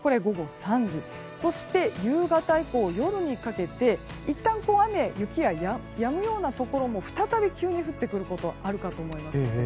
そして夕方以降、夜にかけていったん雨や雪がやむようなところも再び急に降ってくることがあるかと思います。